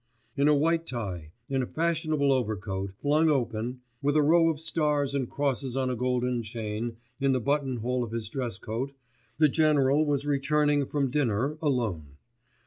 In a white tie, in a fashionable overcoat, flung open, with a row of stars and crosses on a golden chain in the buttonhole of his dresscoat, the general was returning from dinner, alone.